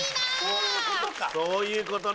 そういうことか！